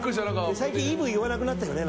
最近「イヴ」言わなくなったよね